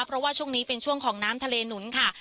เพราะว่าช่วงนี้เป็นช่วงของน้ำทะเลหนุนค่ะ